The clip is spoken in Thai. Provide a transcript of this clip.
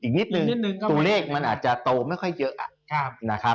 อีกนิดนึงตัวเลขมันอาจจะโตไม่ค่อยเยอะนะครับ